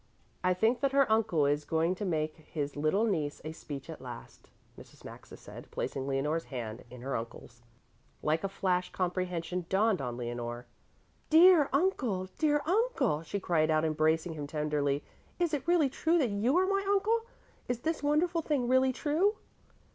"I think that her uncle is going to make his little niece a speech at last," Mrs. Maxa said, placing Leonore's hand in her uncle's. Like a flash comprehension dawned on Leonore. "Dear uncle, dear uncle!" she cried out, embracing him tenderly. "Is it really true that you are my uncle? Is this wonderful thing really true?"